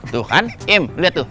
tuh kan im liat tuh